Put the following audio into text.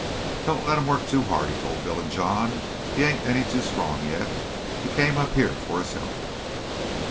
"Don't let him work too hard," he told Bill and John. "He ain't any too strong yet. He came up here for his health."